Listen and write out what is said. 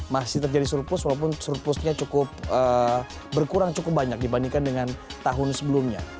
masih terjadi surplus walaupun surplusnya cukup berkurang cukup banyak dibandingkan dengan tahun sebelumnya